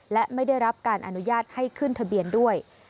และไม่ได้รับการอนุญาตให้ขึ้นทะเบียนด้วย